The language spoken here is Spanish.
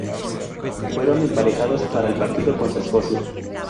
Fueron emparejados para el partido contra Escocia.